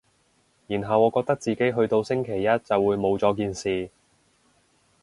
然後我覺得自己去到星期一就會冇咗件事